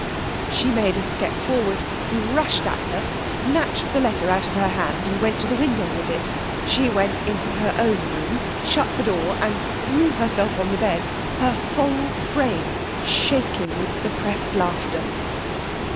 She made a step forward. He rushed at her, snatched the letter out of her hand, and went to the window with it. She went into her own room, shut the door, and threw herself on the bed, her whole frame shaking with suppressed laughter.